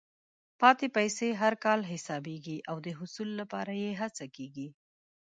پاتې پیسې هر کال حسابېږي او د حصول لپاره یې هڅه کېږي.